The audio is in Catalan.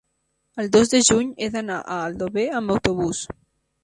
el dos de juny he d'anar a Aldover amb autobús.